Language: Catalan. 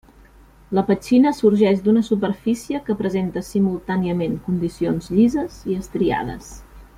La petxina sorgeix d'una superfície que presenta simultàniament condicions llises i estriades.